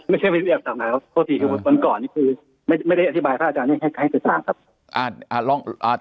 ไม่ใช่วิทยาศาสนาครับโทษทีคือวันก่อนไม่ได้อธิบายพระอาจารย์ให้สร้างครับ